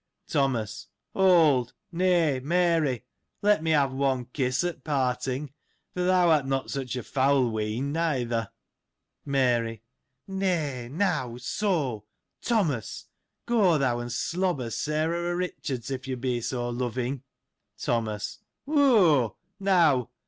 Thomas. — Hold !=— Nay — Mary : let me have one kiss at part ing, for thou art not such a foul whean,^ neither. Mary. — Nay !— now !— so ! Thomas ! Go, thou and slobber Sarah o'Eichard's, if you be so loving. Thomas. — Whoo !— now